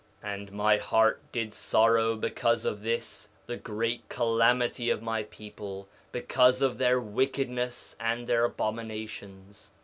2:27 And my heart did sorrow because of this the great calamity of my people, because of their wickedness and their abominations.